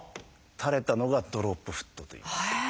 垂れたのが「ドロップフット」という。